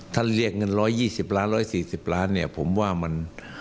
ถ้าเรียกเงินร้อยยี่สิบล้านร้อยสี่สิบล้านเนี้ยผมว่ามัน